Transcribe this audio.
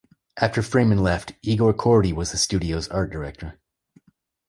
After Freeman left, Igor Kordey was the studio's art director.